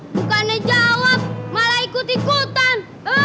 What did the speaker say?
bukannya jawab malah ikut ikutan